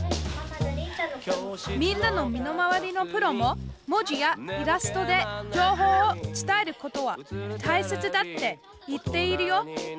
みんなの身の回りのプロも文字やイラストで情報を伝えることはたいせつだって言っているよ。